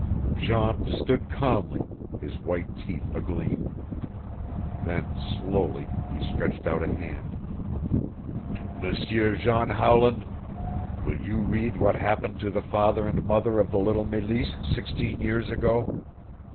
Jean stood calmly, his white teeth agleam. Then, slowly, he stretched out a hand. "M'seur John Howland, will you read what happened to the father and mother of the little Meleese sixteen years ago?